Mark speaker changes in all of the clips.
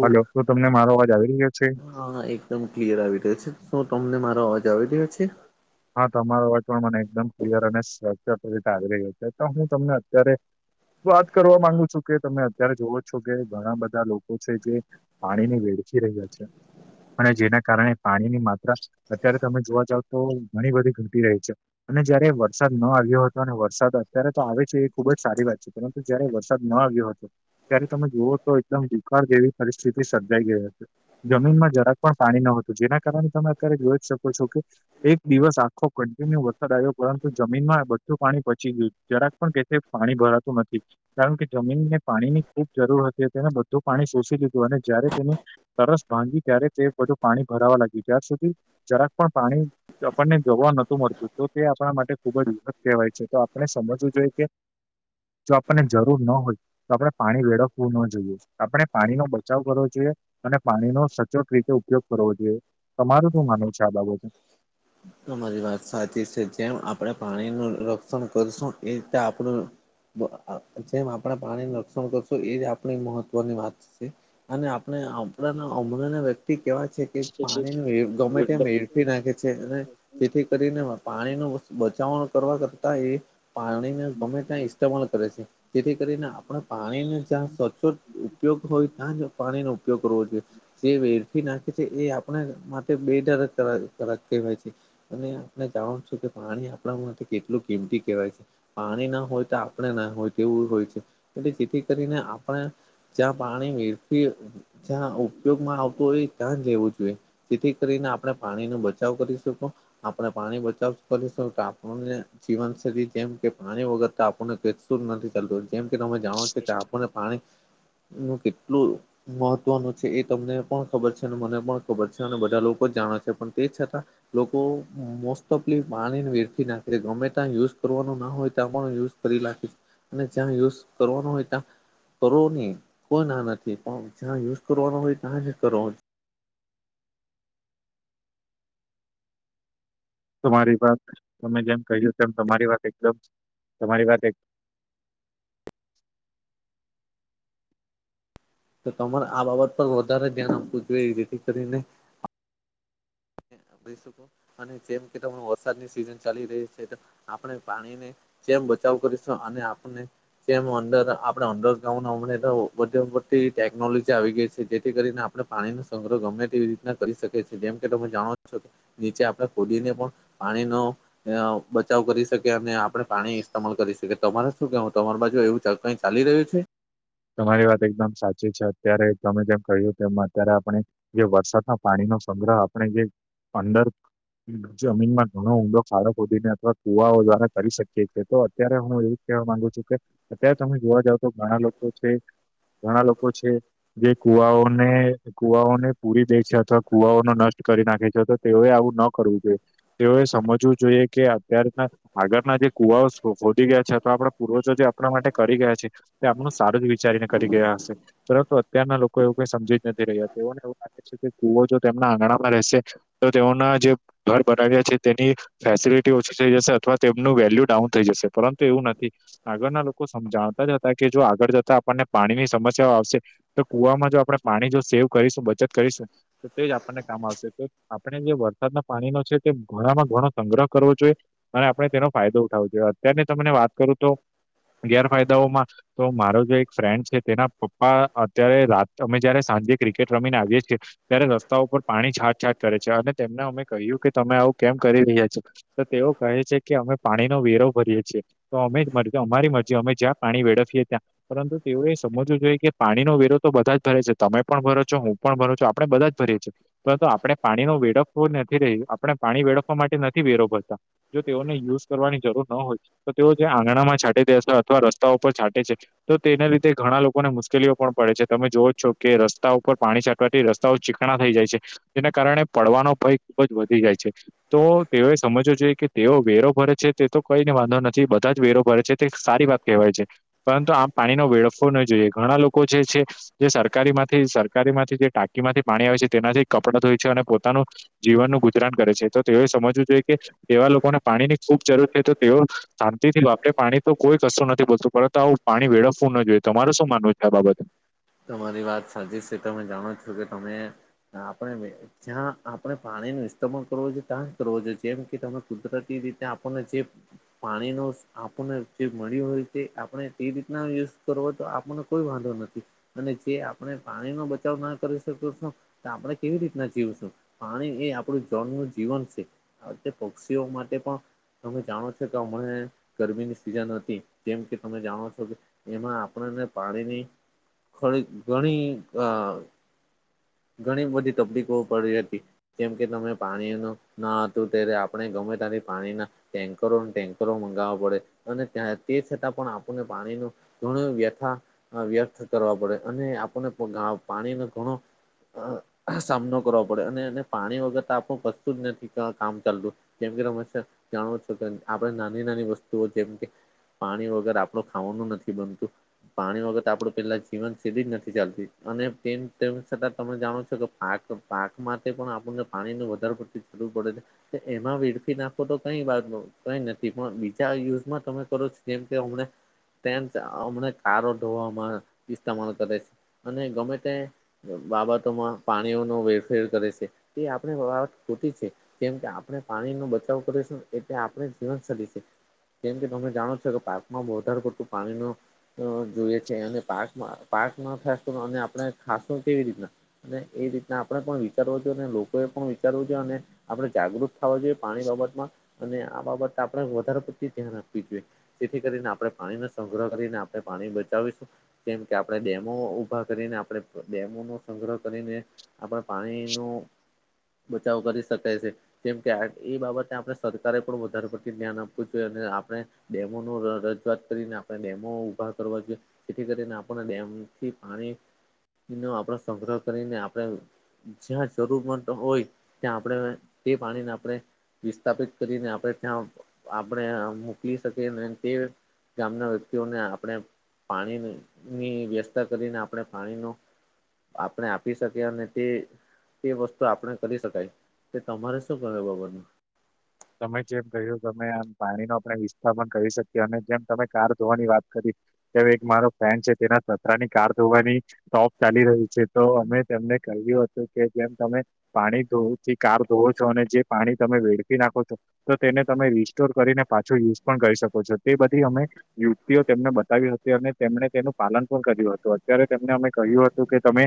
Speaker 1: હાલો. તો તમને મારો અવાજ આવી રહ્યો છે?
Speaker 2: હા એકદમ ક્લિયર આવી રહ્યો છે. શો તમને મારો અવાજ આવી રહ્યો છે?
Speaker 1: હા તમારો વાચ પણ મને એકદમ ક્લિયર અને સ રીતે આવી રહ્યો છે. તો હું તમને અત્યારે વાત કરવા માંગુ છું. કે તમે અત્યારે જોવો છો કે ઘણા બધા લોકો છે કે પાણી ને વેળચી રહ્યા છે. અને જેના કારણે પાણીની માત્રા અત્યારે તમે જોવા જાવ તો ઘણી બધી ઘટી રહી છે. અને જયારે વરસાદ ન આવ્યો હતો. અને વરસાદ અત્યારે તો આવે છે એ ખુબ જ સારી વાત છે. પરંતુ જયારે વરસાદ ન આવ્યો હતો. ત્યારે તમે જુઓ તો એકદમ દુકાળ જેવી પરિસ્થિતિ સર્જાઈ ગઈ હતી. જમીનમાં જરાક પણ પાણી નતું જેના કારણે તમે અત્યારે જોઈ જ શકો છો કે એક દિવસ આખો કન્ટિન્યુ વરસાદ આવ્યો. પરંતુ જમીનમાં બધું પાણી પચી ગયું જરાક પણ કેટલેક પાણી ભરાતું નથી. કારણ કે જમીનને પાણીની ખૂબ જરૂર હતી. તેને બધું પાણી શોષી લીધું. અને જયારે તેને તરસ ભાંગી ત્યારે તે બધું પાણી ભરાવા લાગી ત્યાર સુધી જરાક પણ પાણી આપણને જોવા નતું મળતું. તો તે આપણા માટે ખુબ જત કહેવાય છે. તો આપણે સમજવું જોઈએ કે જો આપણને જરૂર ન હોય તો આપણે પાણી વેળખવું ના જોઈએ. આપણે પાણી નો બચાવ કરવો જોઈએ. અને પાણીનો સચોટ રીતે ઉપયોગ કરવો જોઈએ. તમારું શું માનવું છે આ બાબતે?
Speaker 2: તમારી વાત સાચી છે. જેમ આપણે પાણી નું રક્ષણ કરશું. એ રીતે આપણું જેમ આપણે પાણી રક્ષણ કરશું. એજ આપણી મહત્વની વાત છે. અને આપણે આપણાના હમણા ના વ્યક્તિ કેવા છે. પાણી નું ગમેતેમ વેરફી નાખે છે. અને જેથી કરીને પાણી ન બચાવણ કરવા કરતા એ પાણીને ગમે ત્યાં ઇસ્ટેમાલ કરે છે. જેથી કરીને આપણે પાણીને જંચો. ઉપયોગ હોય ત્યાં જ પાણીનો ઉપયોગ કરવો જોઈએ. જે વેડફી નાખે છે. એ આપણે માટે બેદર કારક કેવાય છે. અને આપણે જાણનું છું કે પાણી આપણા માટે કેટલું કિંમતી કહેવાય છે. પાણી ના હોય તો આપણે ના હોય તેવું હોય છે એટલે જેથી કરીને આપણે જ્યાં પાણી વરી જ્યાં ઉપયોગમાં આવતું હોય ત્યાં લેવું જોઈએ જેથી કરીને આપણે પાણી નો બચાવ કરી શકો. આપણે પાણી બચાવ કરીશું તો આપણને જીવનશૈલી જેમ કે પાણી વગરતા આપણને નથી ચાલતું જેમ કે તમે જાણો છો કે આપણને પાણી ન કેટલું મહત્વનું છે એ તમને પણ ખબર છે અને મને પણ ખબર છે અને બધા લોકો જાણે છે પણ તે છતાં લોકો મોસ્ટ ઓફલી પાણી વેરથી નાખે છે ગમે ત્યાં યુઝ કરવાનું ના હોય ત્યાં પણ યુઝ કરી નાખી અનેને જ્યાં યુઝ કરવાનો હોય ત્યાં કરો નહી કોઈ ના નથી પણ જ્યાં યુઝ કરવાનો હોય ત્યાં જ કરો.
Speaker 1: તમારી વાત તમે જેમ કહ્યું તેમ તમારી વાત એકદમ તમારી વાત.
Speaker 2: તો તમારે આ બાબત પર વધારે ધ્યાન આપવું જોઈએ એ રથી કરીને શ અને જેમ કે વરસાદની સિઝન ચાલી રહી છે આપણે પાણીને જેમ બચાવ કરીશ અને આપને જે અંદર આપડે અંડ ગા હમને તો બધી બધી ટેકનોલોજી આવી ગઈ છે જેથી કરીને આપણે પાણી નો સંગ્રહ ગમે તેવી રીતના કરી શકે છે જેમ કે તમે જાણો છો. નીચે આપણે કોદીને પણ પાણી ન અ બચાવ કરી શકે અને આપણે પાણી ઇસ્તેમલ કરી શકીએ તમારે શું કેવું તમારી બાજુ એવું ચ કઈ ચાલી રહ્યું છે.
Speaker 1: તમારી વાત એકદમ સાચી છે અત્યારે તમે જેમ કહ્યું તેમ અત્યારે આપણે જે વરસાદના પાણીનોો સંગ્રહ આપણે જે અંદર જમીનમાં ઘણો ઊંડો ખાડો ખોધીને અથવા કુવાઓ દ્વારા કરી શકીએ છીએ તો અત્યારે હું એ કેવા માંગુ છું કે અત્યારે તમે જોવા જાવ તો ઘણા લોકો છે ઘણા લોકો છે. જે કુવાઓને કુવાઓને પૂરી દે છે અથવા કુવાઓ ન નષ્ટ કરી નાખે છે તો તેઓએ આવું ન કરવું જોઈએ તેઓએ સમજવું જોઈએ કે અત્યારના આગળના જે કુવાઓ ફોી ગયા છે આપણા પૂર્વજો જે આપણા માટે કરી ગયા છે તે આપણું સારું જ વિચારીને કરી ગયા હશે પરંતુ અત્યારના લોકો એવું કઈ સમજી જ નથી રહ્યા તેને કે કુવો જો તેમના આંગણામાં રહેશે તો તેઓના જે ઘર બનાવ્યા છે તેની ફેસિલિટી ઓછી થઈ જશે અથવા તો તેમનું વેલ્યુ ડાઉન થઈ જશે પરંતુ એવું નથી. આગળ ના લોકો સમજાવતા જ હતા કે જો આ આગળ જતા આપણને પાણીની સમસ્યાઓ આવશે તો કુવામાં જો આપણે પાણી જો સેવ કરીશું બચત કરીશું. તો તે જ આપણને કામ આવશે તો. આપણે જે વરસાદના પાણીનો છે તે ઘણામાં ઘણો સંગ્રહ કરવો જોઈએ અને આપણે તેનો ફાયદો ઉઠાવવ જોઈએ અત્યારની તમને વાત કરું તો ગેરફાયદાઓમાં તો મારો જો એક ફ્રેન્ડ છે તેના પપ્પા અત્યારે રા અમે જયારે સાંજે ક્રિકેટ રમીને આવીએ છીએ. ત્યારે રસ્તા ઉપર પાણી છાટછાટ કરે છે અને તેમને અમે કહ્યું કે તમે આવું કેમ કરી રહ્યા છો. તો તેઓ કહે છે કે અમે પાણીનોો વેરો ભરીએ છીએ તો અમે અમારી મરજી અમે જ્યાં પાણી વેળવીએ. ત્યા પરંતુ તેઓએ સમજવું જોઈએ કે પાણીનો વેરો તો બધા જ ભરે છે તમે પણ ભરો છો હું પણ ભરો છો, આપણે બધ જ ભરીએ છીએ પરંત આપણે પાણી ન વેળખવું નથી રહ્યું આપણે પાણી વેળખવા માટે નથી વેરો ભરતા જો તેઓને યુઝ કરવાની જરૂર ન હોય તો, તેઓ જે આંગણામાં છાંટે દેશે અથવા રસ્તાઓ ઉપર છાંટે છે. તો તેને લીધે ઘણા લોકોને મુશ્કેલીઓ પણ પડે છે, તમે જોવઓ જ છો કે રસ્તા ઉપર પાણી છંટવાથી રસ્તાઓ ચીકણા થઈ જાય છે, જેના કારણે પડવાનો ભય ખુબ જ વધી જાય છે. તો તેઓએ સમજવો જોઈએ કે તેઓ વેરો ભરે છે, તે તો કઈને વાંધો નથી બધા જ વેરો ભરે છે તે સારી વાત કહેવાય છે, પરંતુ આમ પાણીનો વેડફવો ન જોઈએ ઘણા લોકો જે છે. જે સરકારી માંથી સરકારી માંથી જે ટાંકી માંથી પાણી આવે છે તેનાથી કપડાં ધ હોય છે, અને પોતાનું જીવનનું ગુતરાન કરે છે, તો તેઓએ સમજવું જોઈએ કે એવા લોકોને પાણી ની ખુબ જરૂર છે, તો તેઓ શાંતિ થી વાપરે પાણી તો કોઈ કશું નથી બોલતું પરંતુ આવું પાણી વેળવવું ના જોઈએ તમારરે શું માનવું છે, આ બાબતે
Speaker 2: તમારી વાત સાચી છે, તો જાણો છો કે તમે આપણે જ્યાં આપણે પાણી ન ઇસ્માલ કરવો જોએ ત્યાં જ કરવો જોએ જેમ કે તમે કુદરતી રીતે આપણને જે પાણી ન આપણને જે મળ્યું હોય તે આપણે તે રીતના યુઝ કરવો તો આપને કોઈ વાંધો નથી અને, જે આપણે પાણી નો બચાવ ના કરી શકી છું તો આપણે કેવી રીતના જીવશું પાણી એ આપણું જનનું જીવન છે. આતે પક્ષીઓ માટે પણ તમે જાણો છો, કે હમણા ગરમીની સિઝન હતી જેમ કે તમે જાણો છો કે એમાં આપણને પાણીની ખડી ઘણી અ ઘણી બધી તકલીફો પડી હતી. કેમ કે તમે પાણીનું ના હતું, ત્યારે આપણે ગમે ત્યારે પાણીના ટેન્કરો ટેન્કરો મંગાવવા પડે અને તે છતાં પણ આપણને પાણીનું ઘણ વ્યથા વ્યર્થ કરવા પડે અને, આપણને પાણીનો ઘણો અ સામનો કરવાો પડે અને, એ પાણી વગર આપણું કશતું જ નથી કામ ચાલતું જેમ કે તમે જાણો છો કે આપણે નાની, નાની વસ્તુઓ જેમ કે પાણી વગેરે આપડું ખાવાનું નથી બનતું પાણી વગર આપડું પેલા જીવન સીધી જ નથી ચાલતી અને, તેમ તેમ છતા તમે જાણો છો, કે પાક પાક માટે પણ આપણને પાણી ન વધારે પડતી જરૂું પડે છે. એમાં વેડફી નાખો તો, કઈ બા કઈ નથી પણ બીજા યુઝમાં તમે કરો છો જેમ કે હમ તેમ હમને કારો ધોવામાં ઇસ્માલ કરે છે, અને ગમે તે બાબતોમાં પાણીઓનો વેરફેર કરે છે, તે આપણી બાબત ખોટી છે. કેમ કે આપણે પાણી નો બચાવ કરીશું એટલે આપણે જીવનશલી છે. કેમ કે તમે જાણો છો, કે પાકમાં વધ વધાર પડતું પાણી ન જોઈએ છે, અને પાકમાં પા્કમાં ફ અને આપણે ખાસું કેવી રીતના અને એ રીતના આપણે પણ વિચારવો છએ અને લોકોએ પણ વિચારવું જો અને, આપણે જાગૃત ખ જોઈએ પાણી બાબતમાં અને આ બાબત આપણે વધારે પતિ ધ્યાન આપખવી જોઈએ જેથી કરીને આપણે પાણીનો સંગ્રહ કરીને આપણે પાણી બચાવીશું કેમ કે આપણેે ડેમો ઉઊભા કરીને આપડે ડેમો નો સંગ્રહ કરીને આપણા પાણી ન, બચાવ કરી શકાય છે. કેમ કે એ બાબતે આપણે સરકારે પણ, વધારે પડતી ધ્યાન આપવું જોઈએ અને આપણે ડેમો ન રજૂઆત કરીને આપણે, ડેમો ઉઊભા કરવા જોઈએ જેથી, કરીને આપણા ડેમથી પાણી એ, ન આપણે સંગ્રહ કરીને આપણે જ્યાં જરૂર હોય ત્યાં આપણે તે, પાણીને આપણે વિસ્થાપિત કરીને આપણે ત્યાં, આપણે મોકલી શકી. ગામના વ્યક્તિઓને આપણે પાણીની વ્યવસ્થા કરીને આપણે પાણીનો આપણે, આપી શકીએ અને તે એ, વસ્તુ આપણે કરી શકાય તે તમારે શું ક બબર ન
Speaker 1: તમે જેમ કહ્યું તમે આમ પાણીનો આપણે વિસ્તાર પણ કહી શકીએ અને જેમ તમે કાર ધોવાની વાત કરી જે એક મારો એક ફ્રેન્ડ છે તેના સસરા ની કાર ધોવાની ટોપ ચાલી રહ્યું છે તો અમે તેમને કહ્યું હતું કે જેમ તમે પાણી ધોથી કાર ધોવો છો અને જે પાણી તમે વેડ નાખો છો તો તેને તમે રીસ્ટોર કરીને પાછો યુઝ પણ કરી શકો છો તે બધી અમે યુવતિઓ તેમને બતાવી હતી અને તેમણે તેનું પાલન પણ કર્યું હતું અત્યારે તેમને અમે કહ્યું હતું તો કે તમે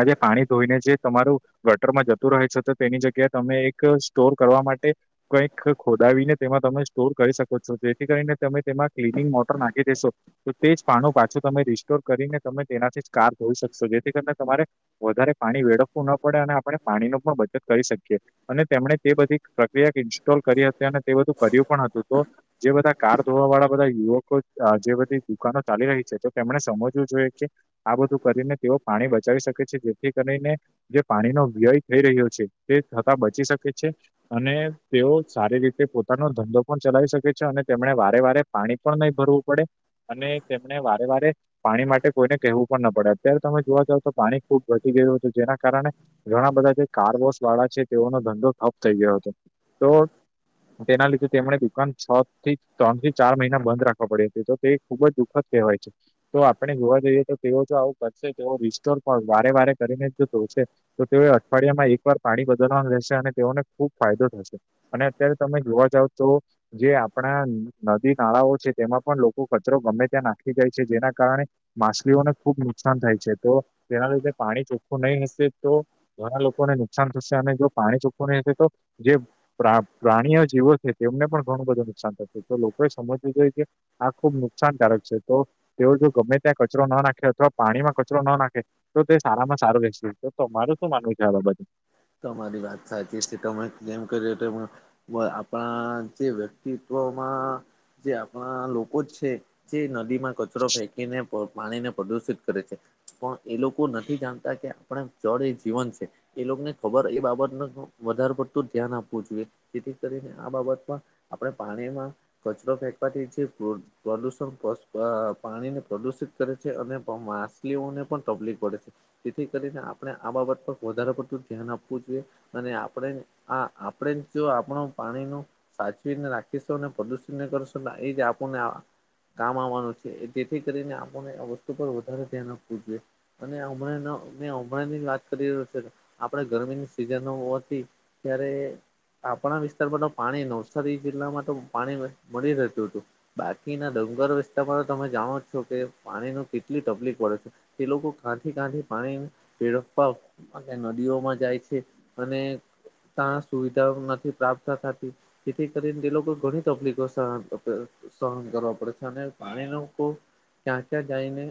Speaker 1: આજે પાણી ધોઈને જે તમારું ગટરમાં જતું રહે છે તો તેની જગ્યાએ તમે એક સ્ટોર કરવા માટે કંઈક ખોદાવીને તેમાં તમે સ્ટોર કરી શકો છો જેથી કરીને તમે તેમાં ક્લિનિંગ મોટર નાખી દેશો તો તે જ પાણ પાછું તમે રિસ્ટોર કરીને તમે તેનાથી જ કાર ધોઈ શકશો જેથી કરને તમારે વધારે પાણી વેળખવું ના પડે અને આપણે પાણી નો પણ બચત કરી શકીએ અને તેમણે તે બધી પ્રક્રિયા ઇન્સ્ટોલ કરી હતી અને તે બધું કર્યું પણ હતું તો જે બધા કાર ધોવા વાળા બધા યુવકો જે બધી દુકાનો ચાલી રહી છે તો તેમણે સમજવું જોઈએ કે આ બધું કરીને તેઓ પાણી બચાવી શકે છે જેથી કરીને જે પાણીનો વ્યય થઈ રહ્યો છે તે થતાં બચી શકે છે અને તેઓ સારી રીતે પોતાનો ધંધો પણ ચલાવી શકે છે અને તેમને વારે વારે પાણી પણ નહી ભરવું પડે અને તેમને વારે વારે પાણી માટે કોઈને કહેવું પણ ના પડે અત્યારે તમે જોવા જાવ તો પાણી ખુબ ઘટી ગયું છે જેના કારણે ઘણા બધા જે કારવોસ વાળા છે તેઓનો ધંધો ઠપ થઈ ગયો હતો તો તેના લીધે તેમણે દુકાન છ થી ત્રણ થી ચાર મહિના બંધ રાખવા પડી હતી તો તે ખુબ જ દુઃખદ કવાય છે તો આપણે જોવા જઈએ તો તેઓ જો આવું કરશે તેઓ રિસ્ટોર પણ વારે વારે કરીને જ જો જોશે તો તેઓ અઠવાડિયામાં એક વાર પાણી બદલવાનું રહેશે અને તેઓને ખુબ ફાયદો થશે અને અત્યારે તમે જોવા જાવ તો જે આપણા નદી નાળાઓ છે તેમાં પણ લોકો કચરો ગમે ત્યાં નાખી જાય છે જેના કારણે માછલીઓને ખુબ નુકસાન થાય છે તો તેના લીધે પાણી ચોખ્ખું નહીં હશે તો ઘણા લોકોને નુકસાન થશે અને જો પાણી ચોખવવા ન હશે તો જે પ્રા પ્રાણીઓ જેીવો છે તેમને પણ ઘણું બધું નુકસાન થત તો લોકોએ સમજવું જોઈ કે આ ખુબ નુકસાનકારક છે તો તેઓ જો ગમે ત્યાં કચરો ન નાખે અથવા પાણીમાં કચરો ન નાખે તો તે સારામાં સારું રહેશે તો તમારું શું માનવું છે આ બાબત મા
Speaker 2: તમારી વાત સાચી છે તમે જેમ કર્યો તો આપણા જે વ્યક્તિત્વમાં જે આપણા લોકો જ છે જે નદી માં કચરો ફેંકીને પાણીને પ્રદુષિત કરે છે પણ એ લોકો નથી જાણતા કે આપણા જડ એ જીવન છે એ લોકોને ખબર એ બાબતને વધારે પડતું ધ્યાન આપવું જોઈએ જેથી કરીને આ બાબતમાં આપડણે પાણીમાં કચરો ફેંકવાથી છેીએ દૂર પ્રદુષણ પાણીને પ્રદુષિત કરે છે અને માછલીઓને પણ તકલીફ પડે છે જેથી કરીને આપણે આ બાબત પર વધારે પરતું ધ્યાન આપવું જોઈએ અને આપણે આ આપણે જો આપણું પાણી નુ સાચવીને રાખીશું અને પ્રદુષિતને કરશો એ જ આપડને કામ આવવાનું છે જેથી કરીને આપને આ વસ્તુ પર વધારે ધ્યાન આપવું જોઈએ અને હમણાં મેં હમણાં ની વાત કરી રહ્યો છે આપડે ગરમીની સિઝન હતી ત્યારે આપણા વિસ્તારમાં તો પાણી નવસારી જિલ્લામાં તો પાણી મળી રહેતું હતું બાકીના ડંગર વિસ્તારમાં તમે જાણો છો કે પાણી ન કેટલી તકલીફ પડે છે તે લોકો કાથી કાંથી પાણી [unintelligible] નદીઓમાં જાય છે અને તં સુવિધા નથી પ્રાપ્ત થ થતી તથી કરીને દે લોકો ઘણી તકલીફો સહન કરતા સહન કરવા પડે છે અને પાણીનો ખુબ ક્યાં કયાં જઈને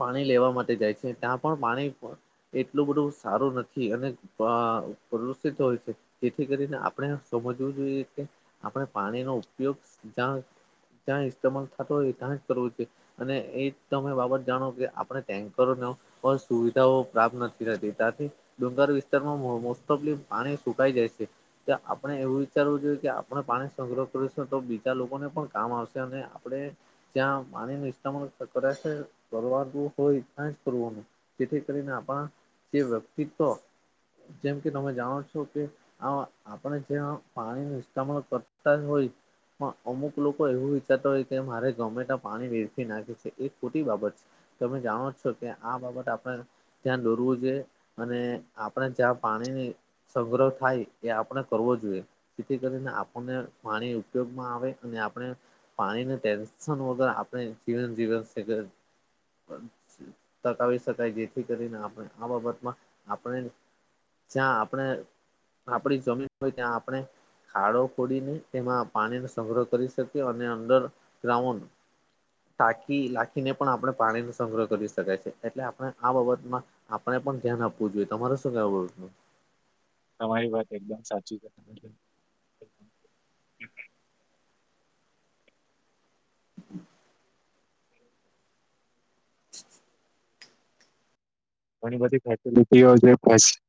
Speaker 2: પાણી લેવા માટે જાય છે, ત્યાં પણ પાણી પ એટલું બધું સારું નથી અને પ્રા પ્રદુષિત હોય છે. જેથી કરીને આપણે સમજવું જોઈએ કે આપણે પાણીનો ઉપયોગ જ્યાં ત્યાં ઇસ્માલ થતો હોય ત્યાં જ કરવો છે અને એ તમે બાબત જાણો, કે આપણે ટેન્કરોનો અ સુવિધાઓ પ્રાપ્ત નથી થતી. ત્યાથી ડુંગર વિસ્તારમાં મો મોસ્ટ ઓફલી પાણી સુકાઈ જાય છે. કે આપણે એવું વિચારવું જોઈએ કે આપણે પાણી સંગ્રહ કરીશું તો બીજા લોકોને પણ કામ આવશે, અને આપણે જ્યાં પાણી નુ ઇસ્ટમાલ કરે શે કરવા જેવું હોય ત્યાં જ કરવાનું. જેથી કરીને આપણા જે વ્યક્તિત્વ જેમ કે તમે જાણો છો કે આ આપણે જયા પાણી નુ ઇસ્ત્તેમાલ કરતા જ હોય પણ અમુક લોકો એવું વિચારતા હોય કે મારે ગમેતા પાણી વેરથી નાખે શે, એ ખોટી બાબત છે. તમે જાણો જ છો કે આ બાબત આપણે ધ્યાન દોરુઝ જે અને આપણે જ્યાં પાણીની સંગ્રહ થાય એ આપણે કરવો જોઈએ જેથી કરીને આપણને પાણી ઉપયોગમાં આવે અને આપણે પાણીને ટેન્શન વગર આપણે જીવન જીવન [unintelligible] ટકાવી શકાય જેથી કરીને આપડે આ બાબતમાં આપણે જ્યાં આપણે આપડી જમીન હોય ત્યાં આપણે ખાડો ખોડીને તેમાં પાણીનો સંગ્રહ કરી શકીયે અને અંદર ગ્રાઉન્ડ ટાકી લખીને પણ આપણે પાણીનો સંગ્રહ કરી શકાય છે, એટલે આપણે આ બાબતમાં આપણે પણ ધ્યાન આપવું જોઈએ તમારે શું કહેવું? [unintelligible]
Speaker 1: તમારી વાત એકદમ સાચી છે.
Speaker 2: [inaudible] [inaudible]
Speaker 1: ઘણી બધી ફેસલિટીઓ છે જે બેસ્ટ